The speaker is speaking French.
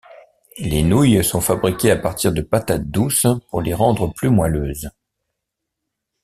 Les nouilles sont fabriquées à partir de patates douces pour les rendre plus moelleuses.